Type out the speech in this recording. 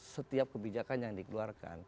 setiap kebijakan yang dikeluarkan